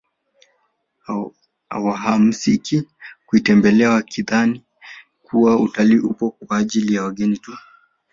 Hawahamasiki kuitembelea wakidhani kuwa utalii upo kwa ajili ya wageni tu